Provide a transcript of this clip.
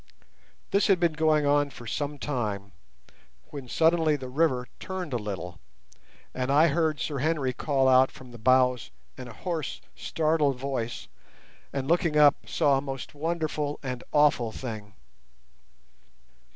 This had been going on for some time, when suddenly the river turned a little, and I heard Sir Henry call out from the bows in a hoarse, startled voice, and, looking up, saw a most wonderful and awful thing.